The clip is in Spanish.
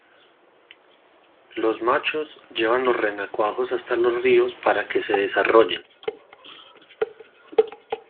Los machos llevan los renacuajos hasta los ríos para que se desarrollen.